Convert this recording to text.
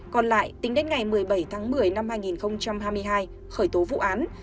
còn lại tính đến ngày một mươi bảy tháng một mươi năm hai nghìn hai mươi hai